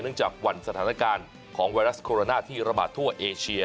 จากวันสถานการณ์ของไวรัสโคโรนาที่ระบาดทั่วเอเชีย